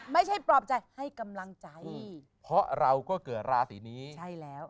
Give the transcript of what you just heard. ปลอบใจให้กำลังใจเพราะเราก็เกิดราศีนี้ใช่แล้ว